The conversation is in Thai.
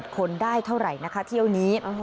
คนได้เท่าไหร่นะคะเที่ยวนี้